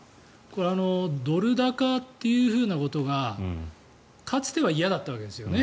これドル高というふうなことがかつては嫌だったわけですよね。